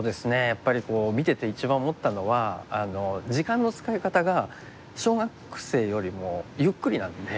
やっぱり見てて一番思ったのは時間の使い方が小学生よりもゆっくりなので。